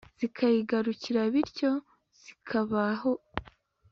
zikayigarukira bityo zikabaho